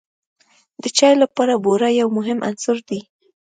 د چای لپاره بوره یو مهم عنصر دی.